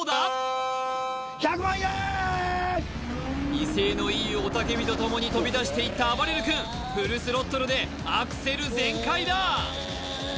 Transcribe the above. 威勢のいい雄たけびとともに飛び出していったあばれる君フルスロットルでアクセル全開だ！